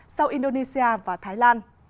sau indonesia và thái lan